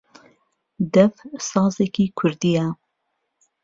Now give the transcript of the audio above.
دەف سازێکی کوردییە